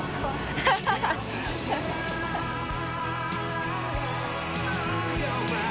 ハハハッ。